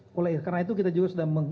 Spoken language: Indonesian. karena itu kita juga sudah